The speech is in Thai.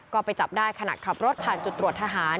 ก็ไปจับได้ขณะขับรถผ่านจุดตรวจทหาร